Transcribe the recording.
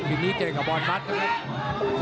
อีกนี้เจนกับบอลฟัส